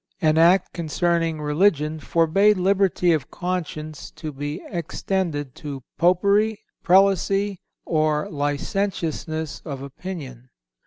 An act concerning religion forbade liberty of conscience to be extended to 'Popery,' 'Prelacy,' or 'licentiousness of opinion.